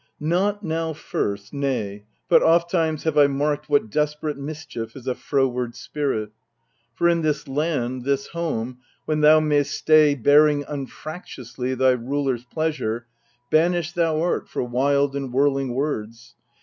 Not now first, nay, but ofttimes have I marked What desperate mischief is a froward spirit. For in this land, this home, when thou might'st stay Bearing unfractiously thy rulers' pleasure, Banished thou art for wild and whirling words.